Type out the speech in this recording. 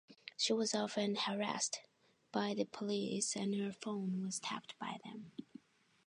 She was often harassed by the police and her phone was tapped by them.